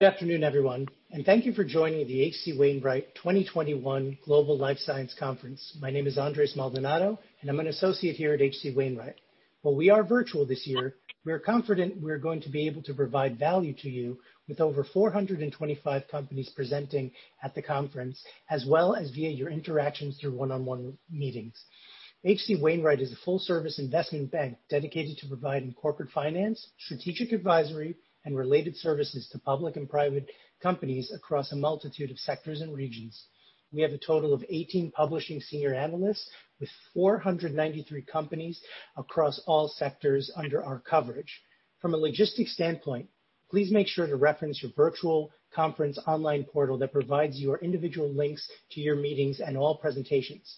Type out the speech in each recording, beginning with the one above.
Good afternoon, everyone, and thank you for joining the H.C. Wainwright 2021 Virtual Global Life Sciences Conference. My name is Andres Maldonado, and I'm an associate here at H.C. Wainwright. While we are virtual this year, we are confident we're going to be able to provide value to you with over 425 companies presenting at the conference, as well as via your interactions through one-on-one meetings. H.C. Wainwright is a full-service investment bank dedicated to providing corporate finance, strategic advisory, and related services to public and private companies across a multitude of sectors and regions. We have a total of 18 publishing senior analysts with 493 companies across all sectors under our coverage. From a logistics standpoint, please make sure to reference your virtual conference online portal that provides your individual links to your meetings and all presentations.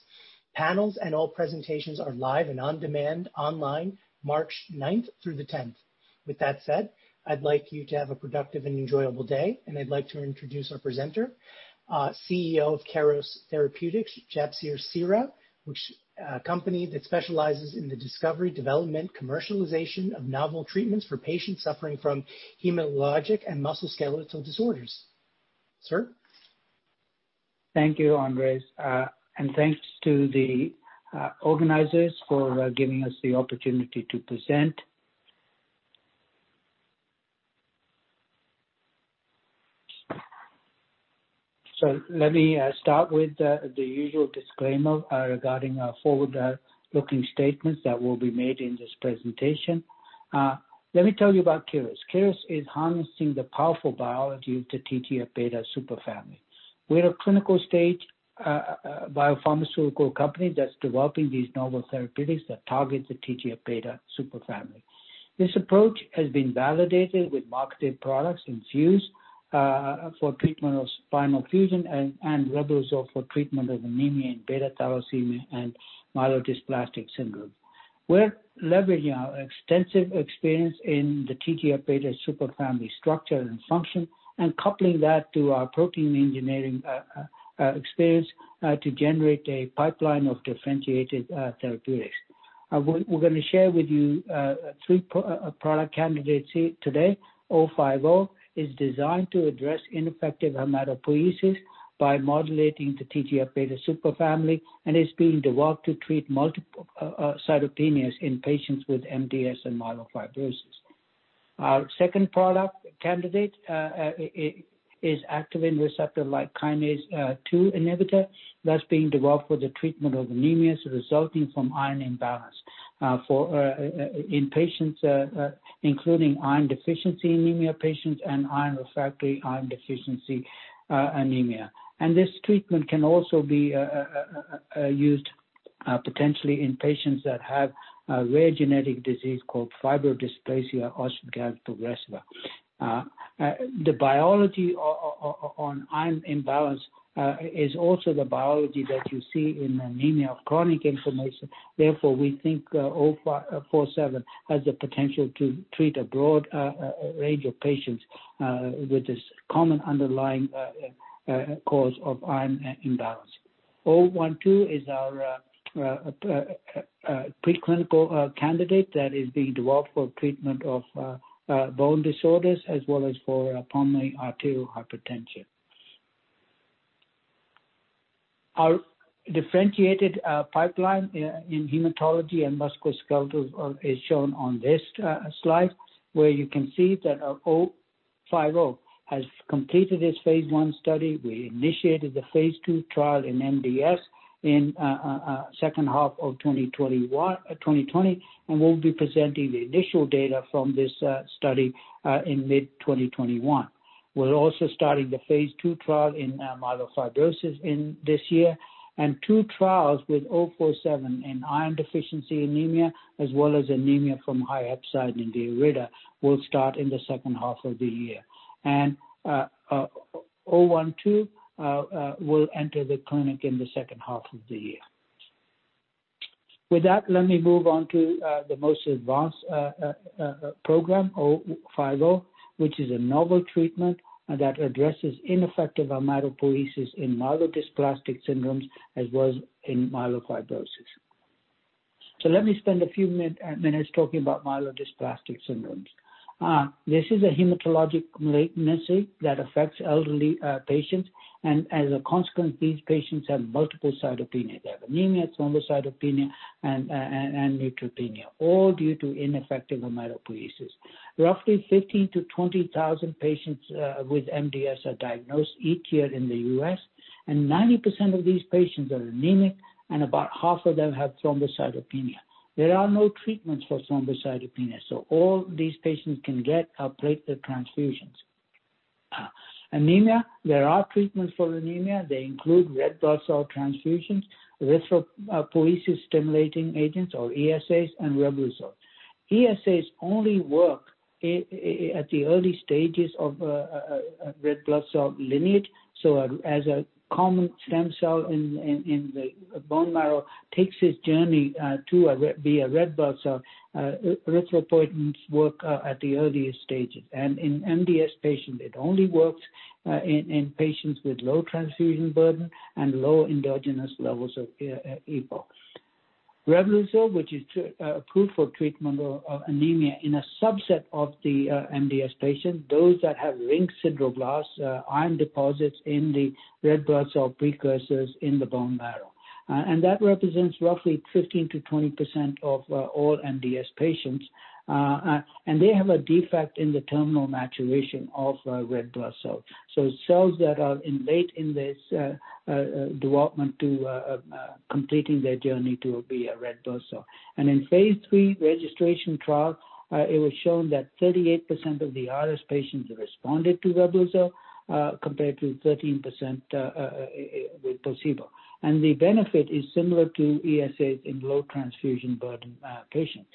Panels and all presentations are live and on-demand online, March 9th through the 10th. With that said, I'd like you to have a productive and enjoyable day, and I'd like to introduce our presenter, CEO of Keros Therapeutics, Jasbir Seehra. A company that specializes in the discovery, development, commercialization of novel treatments for patients suffering from hematologic and musculoskeletal disorders. Sir? Thank you, Andres, and thanks to the organizers for giving us the opportunity to present. Let me start with the usual disclaimer regarding forward-looking statements that will be made in this presentation. Let me tell you about Keros. Keros is harnessing the powerful biology of the TGF-beta superfamily. We're a clinical stage biopharmaceutical company that's developing these novel therapeutics that target the TGF-beta superfamily. This approach has been validated with marketed products INFUSE for treatment of spinal fusion and Reblozyl for treatment of anemia in beta thalassemia and myelodysplastic syndrome. We're leveraging our extensive experience in the TGF-beta superfamily structure and function, and coupling that to our protein engineering experience to generate a pipeline of differentiated therapeutics. We're going to share with you three product candidates today. KER-050 is designed to address ineffective hematopoiesis by modulating the TGF-beta superfamily, and is being developed to treat multiple cytopenias in patients with MDS and myelofibrosis. Our second product candidate is activin receptor-like kinase 2 inhibitor that is being developed for the treatment of anemia resulting from iron imbalance in patients including iron deficiency anemia patients and iron refractory iron deficiency anemia. This treatment can also be used potentially in patients that have a rare genetic disease called fibrodysplasia ossificans progressiva. The biology on iron imbalance is also the biology that you see in anemia of chronic inflammation. Therefore, we think KER-047 has the potential to treat a broad range of patients with this common underlying cause of iron imbalance. KER-012 is our preclinical candidate that is being developed for treatment of bone disorders as well as for pulmonary arterial hypertension. Our differentiated pipeline in hematology and musculoskeletal is shown on this slide, where you can see that our KER-050 has completed its phase I study. We initiated the phase II trial in MDS in second half of 2020, and we'll be presenting the initial data from this study in mid 2021. We're also starting the phase II trial in myelofibrosis this year, and two trials with KER-047 in iron deficiency anemia as well as anemia from high hepcidin in IRIDA will start in the second half of the year. KER-012 will enter the clinic in the second half of the year. With that, let me move on to the most advanced program, KER-050, which is a novel treatment that addresses ineffective hematopoiesis in myelodysplastic syndromes as well as in myelofibrosis. Let me spend a few minutes talking about myelodysplastic syndromes. This is a hematologic malignancy that affects elderly patients. As a consequence, these patients have multiple cytopenias. They have anemia, thrombocytopenia, and neutropenia, all due to ineffective hematopoiesis. Roughly 15,000-20,000 patients with MDS are diagnosed each year in the U.S. and 90% of these patients are anemic, and about half of them have thrombocytopenia. There are no treatments for thrombocytopenia. All these patients can get are platelet transfusions. Anemia, there are treatments for anemia. They include red blood cell transfusions, erythropoiesis-stimulating agents or ESAs, and Reblozyl. ESAs only work at the early stages of red blood cell lineage. As a common stem cell in the bone marrow takes its journey to be a red blood cell, erythropoietins work at the earliest stages. In MDS patients, it only works in patients with low transfusion burden and low endogenous levels of EPO. Reblozyl, which is approved for treatment of anemia in a subset of the MDS patients, those that have ring sideroblasts, iron deposits in the red blood cell precursors in the bone marrow. That represents roughly 15%-20% of all MDS patients. They have a defect in the terminal maturation of red blood cells. Cells that are late in this development to completing their journey to be a red blood cell. In phase III registration trial, it was shown that 38% of the RS patients responded to Reblozyl, compared to 13% with placebo. The benefit is similar to ESAs in low transfusion burden patients.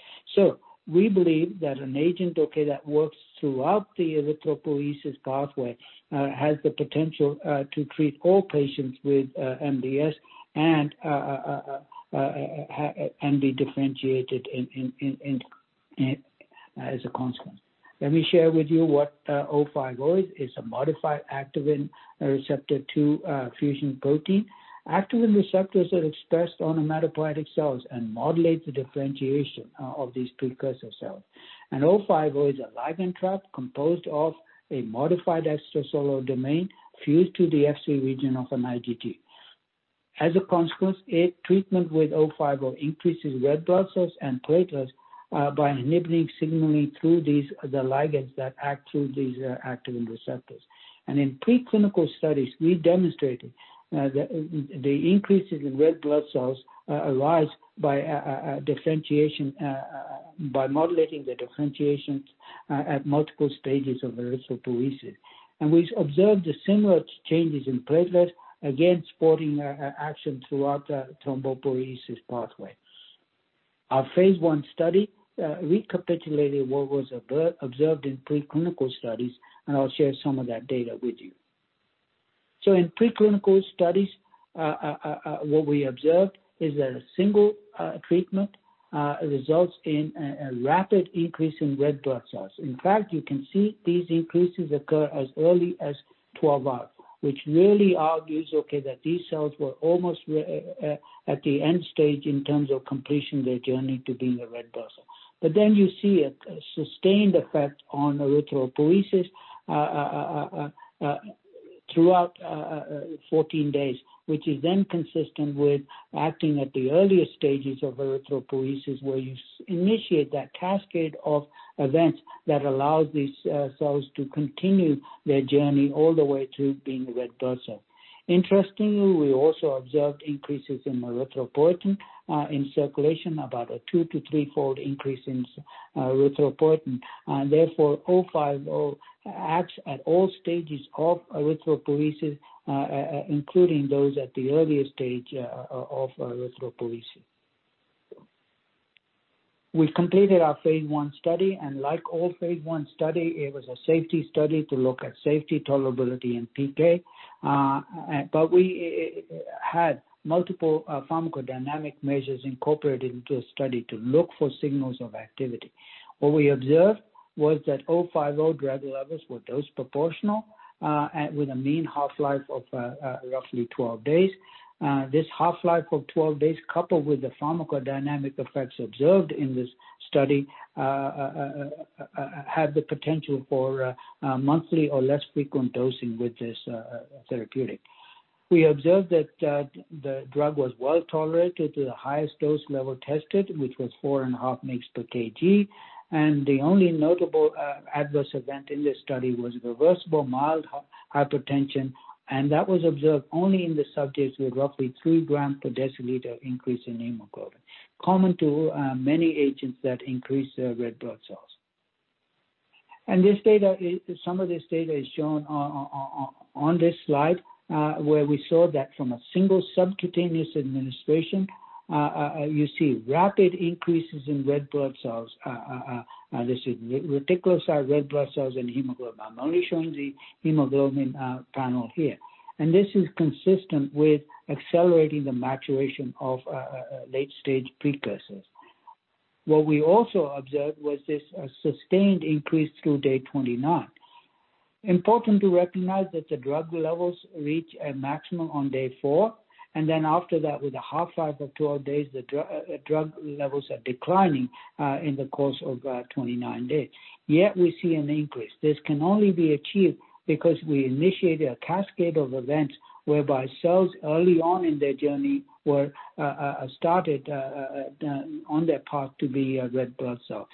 We believe that an agent, okay, that works throughout the erythropoiesis pathway, has the potential to treat all patients with MDS and be differentiated as a consequence. Let me share with you what KER-050 is. It's a modified activin receptor II fusion protein. Activin receptors are expressed on hematopoietic cells and modulate the differentiation of these precursor cells. KER-050 is a ligand trap composed of a modified extracellular domain fused to the Fc region of an IgG. As a consequence, a treatment with KER-050 increases red blood cells and platelets by inhibiting signaling through these, the ligands that act through these activin receptors. In preclinical studies, we demonstrated the increases in red blood cells arise by modulating the differentiations at multiple stages of erythropoiesis. We observed the similar changes in platelets, again, supporting action throughout the thrombopoiesis pathway. Our phase I study recapitulated what was observed in preclinical studies. I'll share some of that data with you. In preclinical studies, what we observed is that a single treatment results in a rapid increase in red blood cells. In fact, you can see these increases occur as early as 12 hours, which really argues, okay, that these cells were almost at the end stage in terms of completing their journey to being a red blood cell. You see a sustained effect on erythropoiesis, throughout 14 days, which is consistent with acting at the earlier stages of erythropoiesis, where you initiate that cascade of events that allows these cells to continue their journey all the way to being a red blood cell. Interestingly, we also observed increases in erythropoietin, in circulation, about a two to three-fold increase in erythropoietin. Therefore, KER-050 acts at all stages of erythropoiesis, including those at the earlier stage of erythropoiesis. We've completed our phase I study, like all phase I study, it was a safety study to look at safety, tolerability, and PK. We had multiple pharmacodynamic measures incorporated into a study to look for signals of activity. What we observed was that KER-050 drug levels were dose proportional, with a mean half-life of roughly 12 days. This half-life of 12 days, coupled with the pharmacodynamic effects observed in this study, have the potential for monthly or less frequent dosing with this therapeutic. We observed that the drug was well-tolerated to the highest dose level tested, which was 4.5 mg per kg. The only notable adverse event in this study was reversible mild hypertension, and that was observed only in the subjects with roughly 3 g per dl increase in hemoglobin. Common to many agents that increase their red blood cells. Some of this data is shown on this slide, where we saw that from a single subcutaneous administration, you see rapid increases in red blood cells. This is reticulocyte, red blood cells, and hemoglobin. I'm only showing the hemoglobin panel here. This is consistent with accelerating the maturation of late-stage precursors. What we also observed was this sustained increase through day 29. Important to recognize that the drug levels reach a maximum on day four, and then after that, with a half-life of 12 days, the drug levels are declining in the course of 29 days. We see an increase. This can only be achieved because we initiated a cascade of events whereby cells early on in their journey were started on their path to be a red blood cell.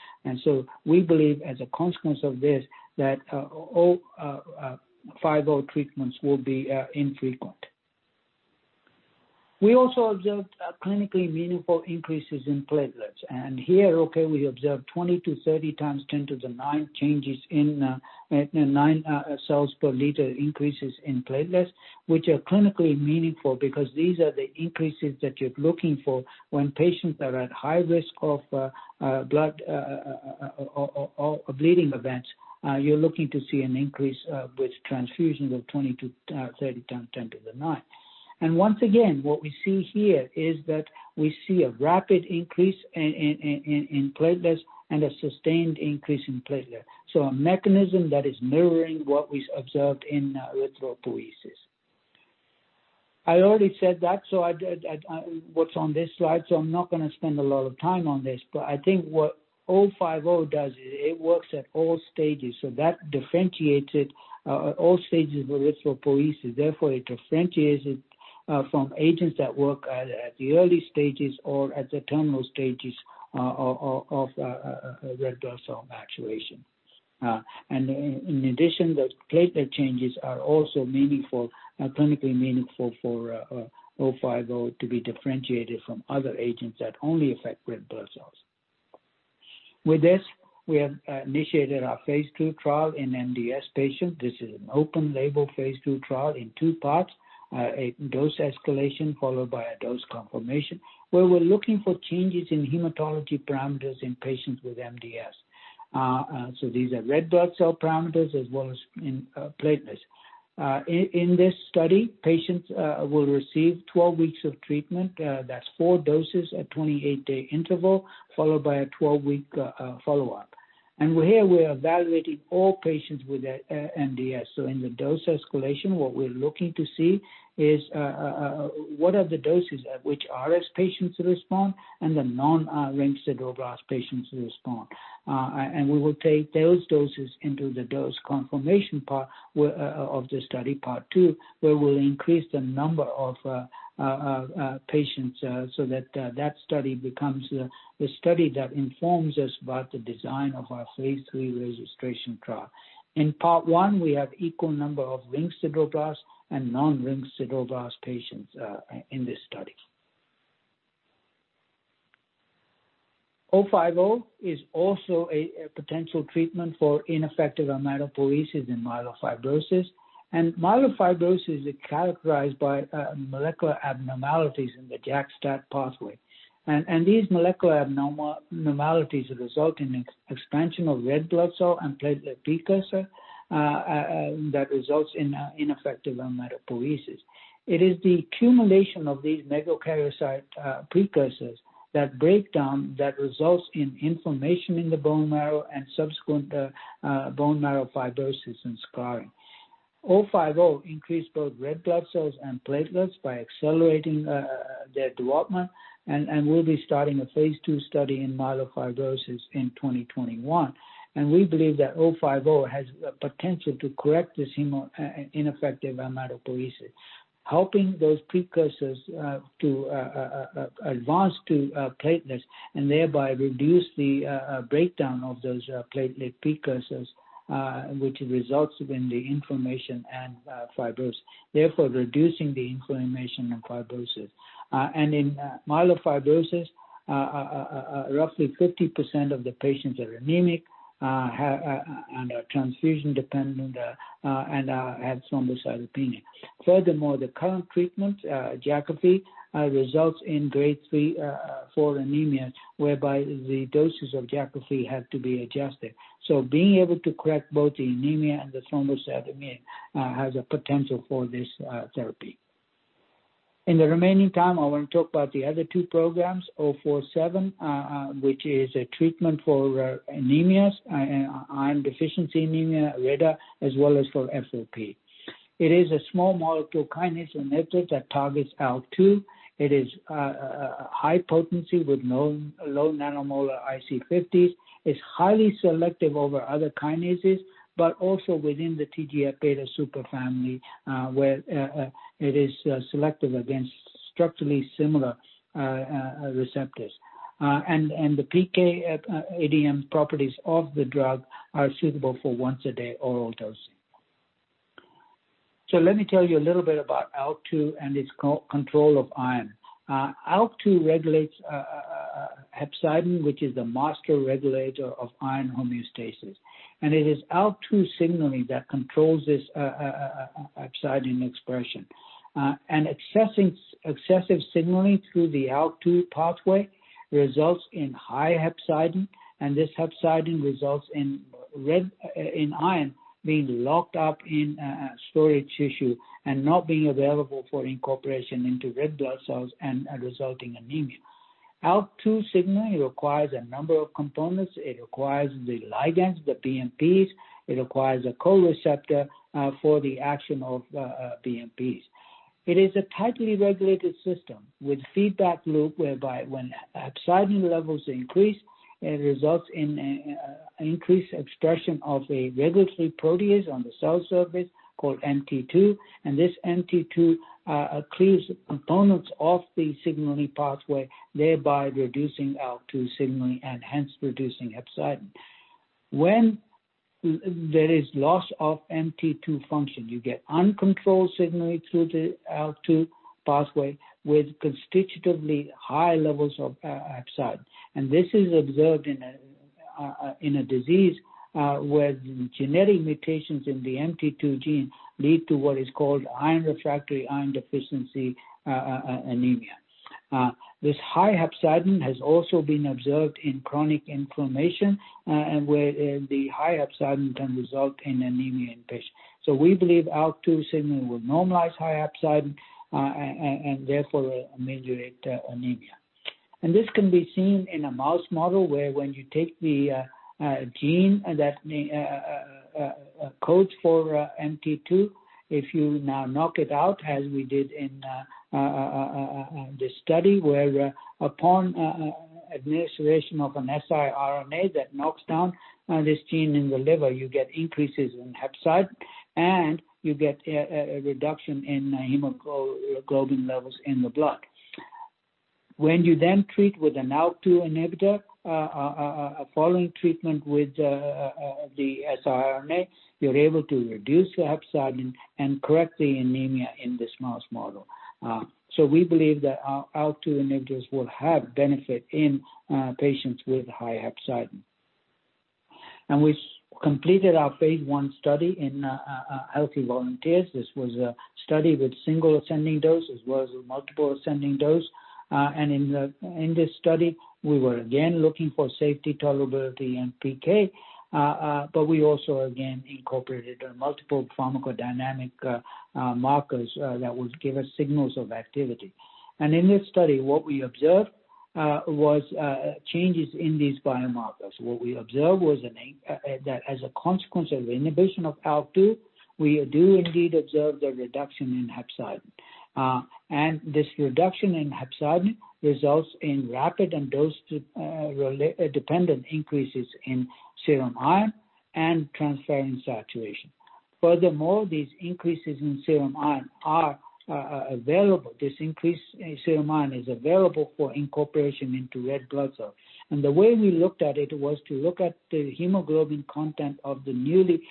We believe, as a consequence of this, that KER-050 treatments will be infrequent. We also observed clinically meaningful increases in platelets. Here, we observed 20-30 times 10 to the nine changes in nine cells per liter increases in platelets, which are clinically meaningful because these are the increases that you're looking for when patients are at high risk of bleeding events. You're looking to see an increase with transfusions of 20-30 times 10 to the nine. Once again, what we see here is that we see a rapid increase in platelets and a sustained increase in platelets. A mechanism that is mirroring what we observed in erythropoiesis. I already said that, what's on this slide, I'm not going to spend a lot of time on this, I think what KER-050 does is it works at all stages. That differentiates it, all stages of erythropoiesis, therefore, it differentiates it from agents that work at the early stages or at the terminal stages of red blood cell maturation. In addition, the platelet changes are also clinically meaningful for KER-050 to be differentiated from other agents that only affect red blood cells. With this, we have initiated our phase II trial in MDS patients. This is an open-label phase II trial in two parts, a dose escalation followed by a dose confirmation, where we're looking for changes in hematology parameters in patients with MDS. These are red blood cell parameters as well as in platelets. In this study, patients will receive 12 weeks of treatment. That's four doses at 28-day interval, followed by a 12-week follow-up. Here we're evaluating all patients with MDS. In the dose escalation, what we're looking to see is, what are the doses at which RS patients respond and the non-ring sideroblast patients respond. We will take those doses into the dose confirmation part of the study, part two, where we'll increase the number of patients so that that study becomes the study that informs us about the design of our phase III registration trial. In part one, we have equal number of ring sideroblasts and non-ring sideroblasts patients in this study. KER-050 is also a potential treatment for ineffective erythropoiesis in myelofibrosis. Myelofibrosis is characterized by molecular abnormalities in the JAK/STAT pathway. These molecular abnormalities result in expansion of red blood cell and platelet precursor, that results in ineffective erythropoiesis. It is the accumulation of these megakaryocyte precursors that break down, that results in inflammation in the bone marrow and subsequent bone marrow fibrosis and scarring. KER-050 increase both red blood cells and platelets by accelerating their development. We'll be starting a phase II study in myelofibrosis in 2021. We believe that KER-050 has the potential to correct this ineffective erythropoiesis, helping those precursors to advance to platelets and thereby reduce the breakdown of those platelet precursors, which results in the inflammation and fibrosis, therefore reducing the inflammation and fibrosis. In myelofibrosis, roughly 50% of the patients are anemic, and are transfusion dependent, and have thrombocytopenia. Furthermore, the current treatment, Jakafi, results in grade three for anemia, whereby the doses of Jakafi have to be adjusted. Being able to correct both the anemia and the thrombocytopenia has a potential for this therapy. In the remaining time, I want to talk about the other two programs, KER-047, which is a treatment for anemias, iron deficiency anemia, IRIDA, as well as for FOP. It is a small molecule kinase inhibitor that targets ALK2. It is high potency with low nanomolar IC50s. It's highly selective over other kinases, but also within the TGF-beta superfamily, where it is selective against structurally similar receptors. The PK/ADME properties of the drug are suitable for once-a-day oral dosing. Let me tell you a little bit about ALK2 and its control of iron. ALK2 regulates hepcidin, which is the master regulator of iron homeostasis. It is ALK2 signaling that controls this hepcidin expression. Excessive signaling through the ALK2 pathway results in high hepcidin, and this hepcidin results in iron being locked up in storage tissue and not being available for incorporation into red blood cells and resulting anemia. ALK2 signaling requires a number of components. It requires the ligands, the BMPs. It requires a co-receptor for the action of BMPs. It is a tightly regulated system with feedback loop whereby when hepcidin levels increase, it results in increased expression of a regulatory protease on the cell surface called MT2. This MT2 clears components of the signaling pathway, thereby reducing ALK2 signaling and hence reducing hepcidin. When there is loss of MT2 function, you get uncontrolled signaling through the ALK2 pathway with constitutively high levels of hepcidin. This is observed in a disease where genetic mutations in the MT2 gene lead to what is called iron refractory iron deficiency anemia. This high hepcidin has also been observed in chronic inflammation, and where the high hepcidin can result in anemia in patients. We believe ALK2 signaling will normalize high hepcidin, and therefore ameliorate anemia. This can be seen in a mouse model, where when you take the gene that codes for MT2, if you now knock it out as we did in this study where upon administration of an siRNA that knocks down this gene in the liver, you get increases in hepcidin and you get a reduction in hemoglobin levels in the blood. You then treat with an ALK2 inhibitor, following treatment with the siRNA, you're able to reduce the hepcidin and correct the anemia in this mouse model. We believe that ALK2 inhibitors will have benefit in patients with high hepcidin. We completed our phase I study in healthy volunteers. This was a study with single ascending dose as well as a multiple ascending dose. In this study, we were again looking for safety, tolerability, and PK, but we also again incorporated multiple pharmacodynamic markers that would give us signals of activity. In this study, what we observed was changes in these biomarkers. What we observed was that as a consequence of inhibition of ALK2, we do indeed observe the reduction in hepcidin. This reduction in hepcidin results in rapid and dose-dependent increases in serum iron and transferrin saturation. Furthermore, these increases in serum iron are available. This increase in serum iron is available for incorporation into red blood cells. The way we looked at it was to look at the hemoglobin content of the newly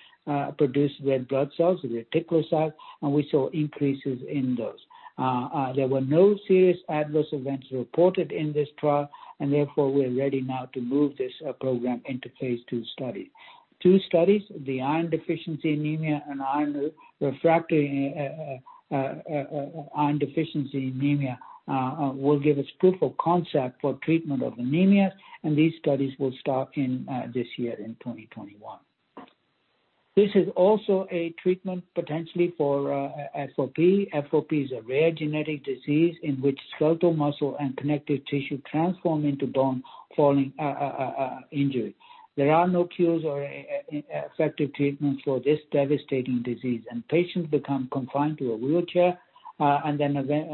produced red blood cells, the reticulocytes, and we saw increases in those. There were no serious adverse events reported in this trial, therefore, we're ready now to move this program into phase II study. Two studies, the iron deficiency anemia and iron refractory iron deficiency anemia, will give us proof of concept for treatment of anemia. These studies will start this year in 2021. This is also a treatment potentially for FOP. FOP is a rare genetic disease in which skeletal muscle and connective tissue transform into bone following injury. There are no cures or effective treatments for this devastating disease. Patients become confined to a wheelchair, then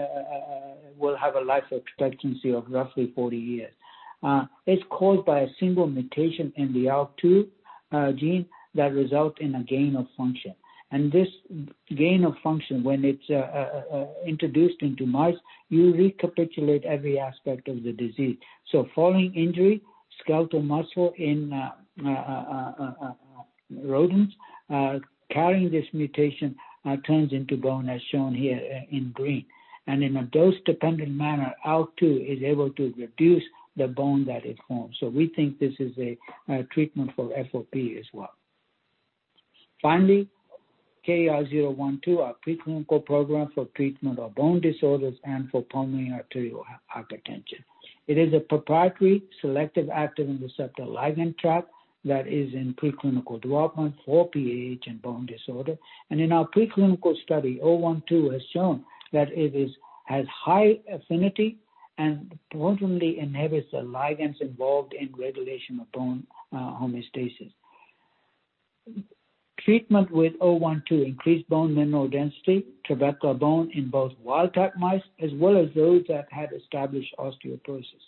will have a life expectancy of roughly 40 years. It's caused by a single mutation in the ALK2 gene that result in a gain of function. This gain of function, when it's introduced into mice, you recapitulate every aspect of the disease. Following injury, skeletal muscle in rodents carrying this mutation turns into bone, as shown here in green. In a dose-dependent manner, ALK2 is able to reduce the bone that it forms. We think this is a treatment for FOP as well. Finally, KER-012, our preclinical program for treatment of bone disorders and for pulmonary arterial hypertension. It is a proprietary selective activin receptor ligand trap that is in preclinical development for PAH and bone disorder. In our preclinical study, KER-012 has shown that it has high affinity and potently inhibits the ligands involved in regulation of bone homeostasis. Treatment with KER-012 increased bone mineral density, trabecular bone in both wild-type mice as well as those that had established osteoporosis.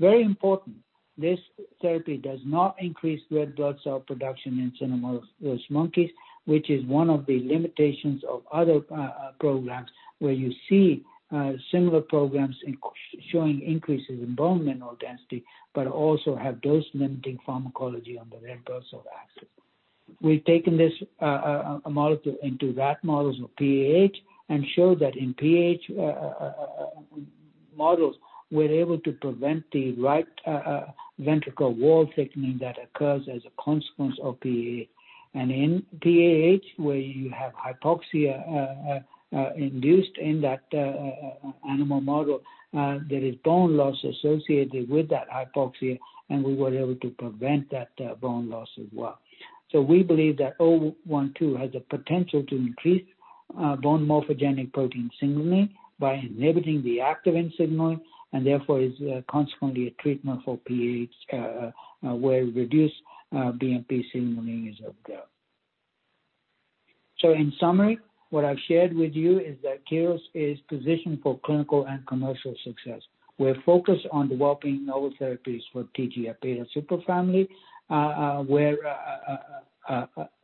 Very important, this therapy does not increase red blood cell production in cynomolgus monkeys, which is one of the limitations of other programs where you see similar programs showing increases in bone mineral density but also have dose-limiting pharmacology on the red blood cell axis. We've taken this molecule into rat models of PAH and showed that in PAH models, we're able to prevent the right ventricle wall thickening that occurs as a consequence of PAH. In PAH, where you have hypoxia induced in that animal model, there is bone loss associated with that hypoxia, and we were able to prevent that bone loss as well. We believe that KER-012 has the potential to increase bone morphogenetic protein signaling by inhibiting the activin signal, and therefore is consequently a treatment for PAH where reduced BMP signaling is observed. In summary, what I've shared with you is that Keros is positioned for clinical and commercial success. We're focused on developing novel therapies for TGF-beta superfamily, where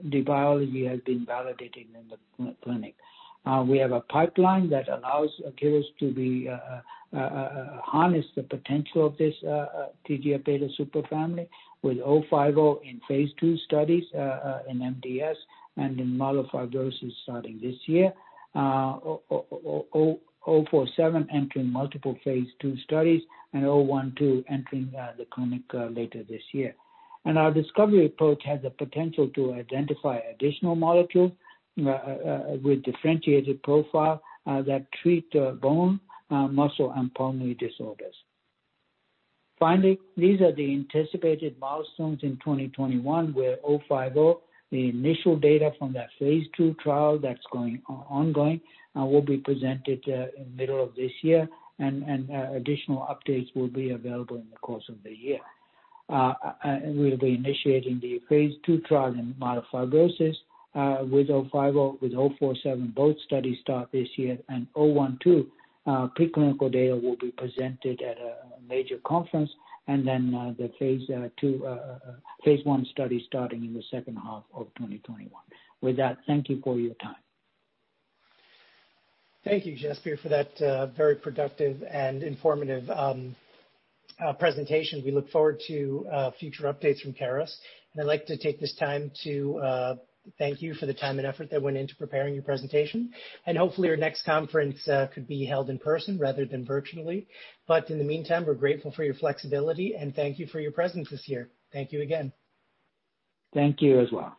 the biology has been validated in the clinic. We have a pipeline that allows Keros to harness the potential of this TGF-beta superfamily with KER-050 in phase II studies, in MDS, and in myelofibrosis starting this year. KER-047 entering multiple phase II studies, and KER-012 entering the clinic later this year. Our discovery approach has the potential to identify additional molecules with differentiated profile that treat bone, muscle, and pulmonary disorders. Finally, these are the anticipated milestones in 2021, where KER-050, the initial data from that phase II trial that's ongoing, will be presented in the middle of this year, and additional updates will be available in the course of the year. We'll be initiating the phase II trial in myelofibrosis with KER-050, with KER-047. Both studies start this year. KER-012, preclinical data will be presented at a major conference. The phase I study starting in the second half of 2021. With that, thank you for your time. Thank you, Jasbir, for that very productive and informative presentation. We look forward to future updates from Keros. I'd like to take this time to thank you for the time and effort that went into preparing your presentation. Hopefully our next conference could be held in person rather than virtually. In the meantime, we're grateful for your flexibility and thank you for your presence this year. Thank you again. Thank you as well.